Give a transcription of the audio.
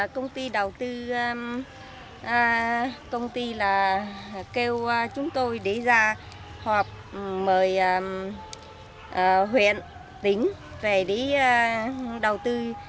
công ty đầu tư công ty là kêu chúng tôi để ra họp mời huyện tính về để đầu tư